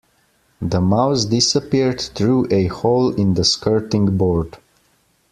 The mouse disappeared through a hole in the skirting board